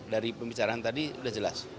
dari pembicaraan tadi sudah jelas